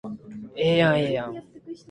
五月雨をあつめてやばしドナウ川